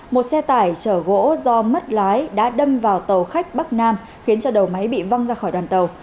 một xe tải chở gỗ do mất lái đã đâm vào tàu khách bắc nam khiến cho đầu máy bị văng ra khỏi đoàn tàu